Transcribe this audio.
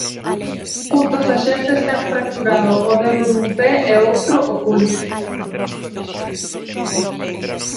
Un dos axentes ten fracturado o dedo dun pé e o outro o pulso.